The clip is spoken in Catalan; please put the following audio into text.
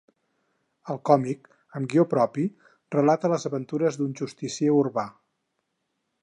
El còmic, amb guió propi, relata les aventures d'un justicier urbà.